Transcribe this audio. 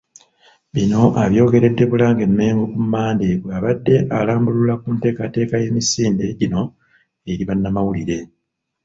Bino abyogeredde Bulange Mmengo ku Mmande bw'abadde alambulula ku nteekateeka y'emisinde gino eri bannamawulire.